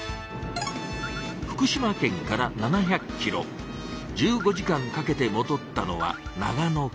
福島県から７００キロ１５時間かけてもどったのは長野県。